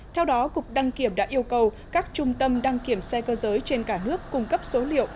theo đó cục đăng kiểm đã yêu cầu các trung tâm đăng kiểm xe cơ giới trên cả nước cung cấp số liệu